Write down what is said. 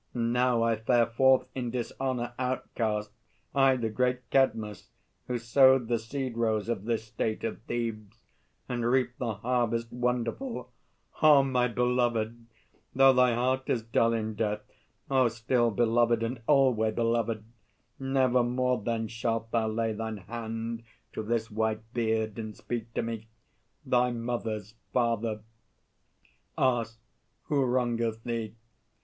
And now I fare Forth in dishonour, outcast, I, the great Cadmus, who sowed the seed rows of this state Of Thebes, and reaped the harvest wonderful. O my belovèd, though thy heart is dull In death, O still belovèd, and alway Belovèd! Never more, then, shalt thou lay Thine hand to this white beard, and speak to me Thy "Mother's Father"; ask "Who wrongeth thee?